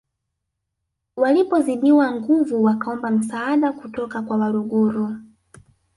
Walipozidiwa nguvu wakaomba msaada kutoka kwa Waluguru